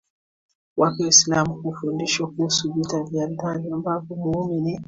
wake Uislamu hufundisha kuhusu vita vya ndani ambavyo muumini